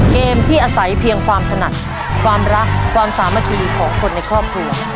เกมที่อาศัยเพียงความถนัดความรักความสามัคคีของคนในครอบครัว